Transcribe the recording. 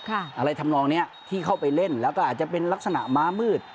อะไรทำนองนี้ที่เข้าไปเล่นแล้วก็อาจจะเป็นลักษณะม้ามืด